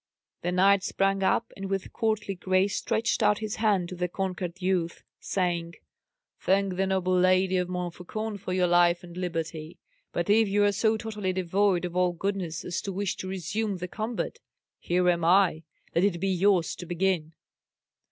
The knight sprang up, and with courtly grace stretched out his hand to the conquered youth, saying, "Thank the noble lady of Montfaucon for your life and liberty. But if you are so totally devoid of all goodness as to wish to resume the combat, here am I; let it be yours to begin."